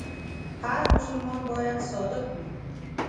هر مسلمان باید صادق وي.